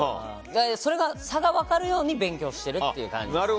それが差が分かるように勉強してるって感じですね。